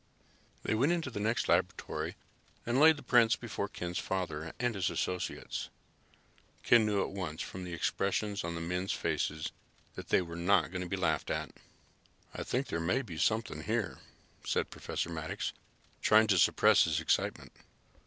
They went into the next laboratory and laid the prints before Ken's father and his associates. Ken knew at once, from the expressions on the men's faces, that they were not going to be laughed at. "I think there may be something here," said Professor Maddox, trying to suppress his excitement.